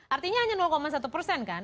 artinya hanya satu persen kan